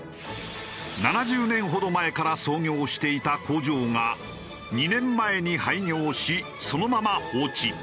７０年ほど前から創業していた工場が２年前に廃業しそのまま放置。